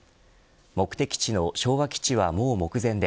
目的地の昭和基地は、もう目前で